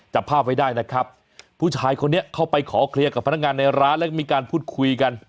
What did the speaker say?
จับภาพไว้ได้นะครับผู้ชายคนนี้เข้าไปขอเคลียร์กับพนักงานในร้านแล้วก็มีการพูดคุยกัน